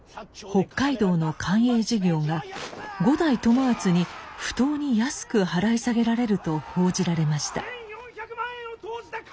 北海道の官営事業が五代友厚に不当に安く払い下げられると報じられました。